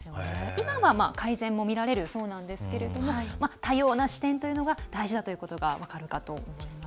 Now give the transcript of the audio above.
今は改善も見られるそうなんですけれども多様な視点というのが大事だということが分かるかと思います。